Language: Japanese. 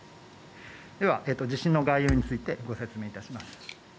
では地震の概要についてご説明いたします。